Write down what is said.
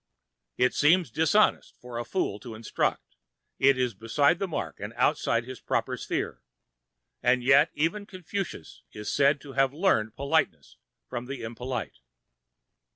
It seems dishonest of a fool to instruct; it is beside the mark, and outside his proper sphere, and yet even Confucius is said to have learned politeness from the impolite.